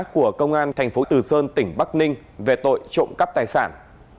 của công an tp từ sơn tỉnh bắc ninh về tội trộm cắp tài sản